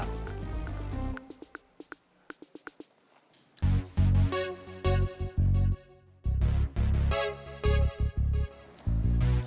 sigung aja cuman